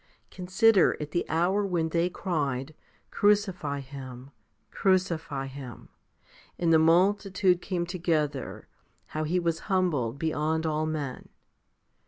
Consider, at the hour when they cried, Crucify Him, crucify Him, 5 and the multitude came together, how He was humbled beyond all men.